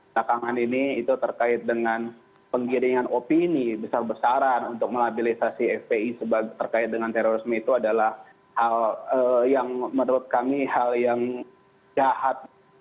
nah kang ini itu terkait dengan penggiringan opini besar besaran untuk melabilisasi fpi terkait dengan terorisme itu adalah hal yang menurut kami hal yang jahat